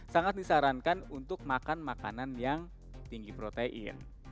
sangat disarankan untuk makan makanan yang tinggi protein